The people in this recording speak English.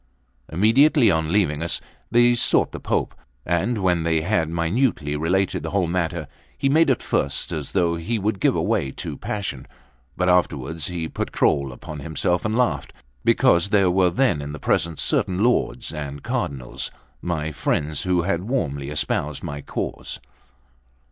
Immediately on leaving us, they sought the Pope; and when they had minutely related the whole matter, he made at first as though he would give way to passion, but afterwards he put control upon himself and laughed, because there were then in the presence certain lords and cardinals, my friends, who had warmly espoused my cause.